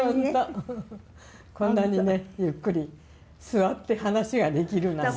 こんなにねゆっくり座って話ができるなんて。